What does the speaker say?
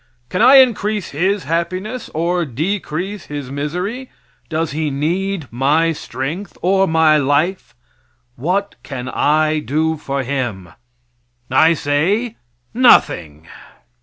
Can I increase his happiness or decrease his misery? Does he need my strength or my life? What can I do for him? I say, nothing.